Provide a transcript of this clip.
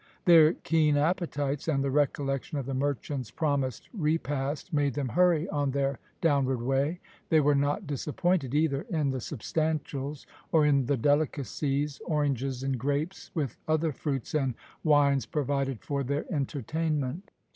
Their keen appetites and the recollection of the merchant's promised repast made them hurry on their downward way. They were not disappointed either in the substantials, or in the delicacies, oranges, and grapes, with other fruits and wines provided for their entertainment.